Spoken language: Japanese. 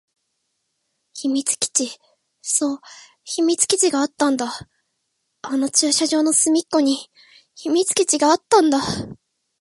秘密基地。そう、秘密基地があったんだ。あの駐車場の隅っこに秘密基地があったんだ。